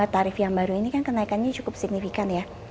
tarif yang baru ini kan kenaikannya cukup signifikan ya